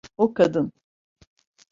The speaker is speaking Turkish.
O kadın.